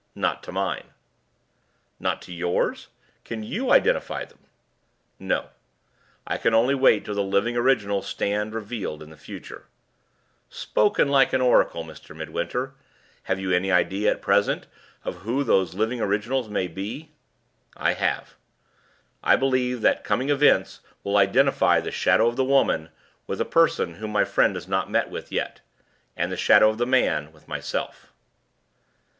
Not to mine." "Not to yours? Can you identify them?" "No. I can only wait till the living originals stand revealed in the future." "Spoken like an oracle, Mr. Midwinter! Have you any idea at present of who those living originals may be?" "I have. I believe that coming events will identify the Shadow of the Woman with a person whom my friend has not met with yet; and the Shadow of the Man with myself."